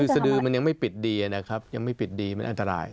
สดือมันยังไม่ปิดดีนะครับยังไม่ปิดดีมันอันตราย